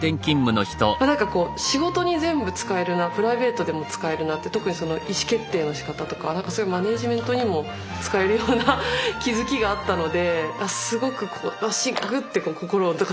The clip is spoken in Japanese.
なんかこう仕事に全部使えるなプライベートでも使えるなって特にその意思決定のしかたとかなんかマネジメントにも使えるような気付きがあったのですごくこうワシッグッて心をつかまれました。